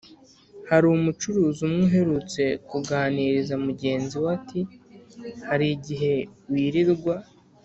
hari umucuruzi umwe uherutse kuganiriza mugenzi we ati : “hari igihe wirirwa